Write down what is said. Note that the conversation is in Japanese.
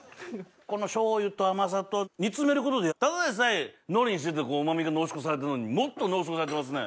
この醤油と甘さと煮詰めることでただでさえ海苔にしててうま味が濃縮されたのにもっと濃縮されてますね。